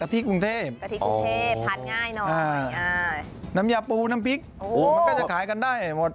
ที่กรุงเทพกะทิกรุงเทพทานง่ายหน่อยน้ำยาปูน้ำพริกมันก็จะขายกันได้หมด